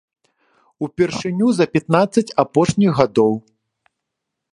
Упершыню за пятнаццаць апошніх гадоў.